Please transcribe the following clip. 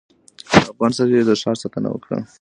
افغان سرتېري د ښار ساتنه وکړه.